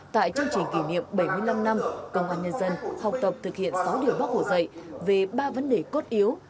tại chương trình kỷ niệm bảy mươi năm năm công an nhân dân học tập thực hiện sáu điều bác hồ dạy về ba vấn đề cốt yếu